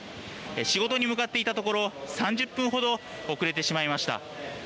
仕事に向かっていたところ、３０分ほど遅れてしまいました。